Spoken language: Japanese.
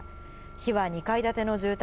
火は２階建ての住宅